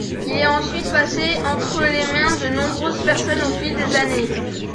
Il est ensuite passé entre les mains de nombreuses personnes au fil des années.